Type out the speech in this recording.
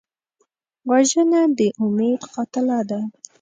وژنه د امید قاتله ده